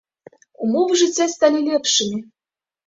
Умовы жыцця сталі лепшымі.